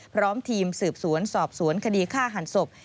พร้อมทีมสืบสวนสอบสวนคดีฆ่าหันศพ